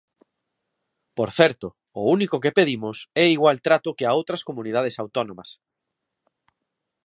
Por certo, o único que pedimos é igual trato que a outras comunidades autónomas.